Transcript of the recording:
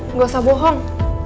nggak usah bohong